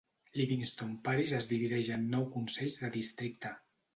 Livingston Parish es divideix en nou consells de districte.